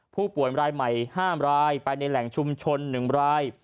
ผู้ป่วยรายใหม่๕รายไปในแหล่งชุมชน๑ราย